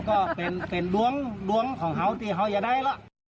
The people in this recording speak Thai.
ก็น่าว่าเอ่อก็เป็นดวงของเขาดิเขาอย่าได้ล่ะ